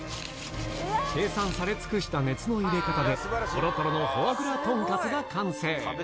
計算され尽くした熱の入れ方で、とろとろのフォアグラとんかつが完成。